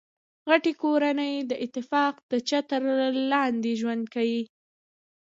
غټۍ کورنۍ د اتفاق تر چتر لاندي ژوند کیي.